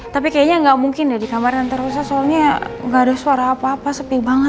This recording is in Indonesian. tapi kayaknya gak mungkin deh di kamar tante rosa soalnya gak ada suara apa apa sepi banget